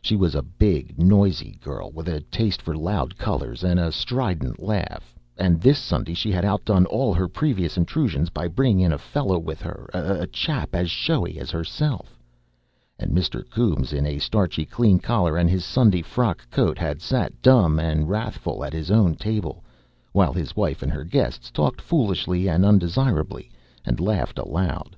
She was a big, noisy girl, with a taste for loud colours and a strident laugh; and this Sunday she had outdone all her previous intrusions by bringing in a fellow with her, a chap as showy as herself. And Mr. Coombes, in a starchy, clean collar and his Sunday frock coat, had sat dumb and wrathful at his own table, while his wife and her guests talked foolishly and undesirably, and laughed aloud.